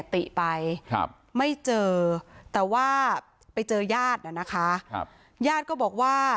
ติไปไม่เจอแต่ว่าไปเจอยาดนะคะยาดก็บอกว่า